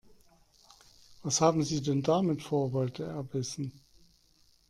Was haben Sie denn damit vor?, wollte er wissen.